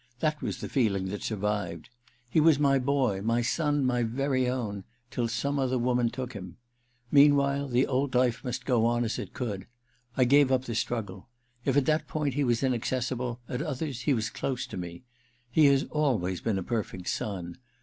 That was the feeling that survived. He was my boy, my son, my very own — till some other woman Ill THE QUICKSAND 311 took him. Meanwhile the old life must go on as it could. I gave up the struggle. If at that point he was inaccessible, at others he was close to me. He has always been a perfect son.